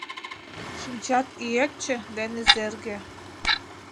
Шинчат Ӱэкче ден Изерге